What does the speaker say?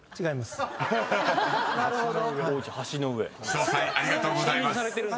［詳細ありがとうございます］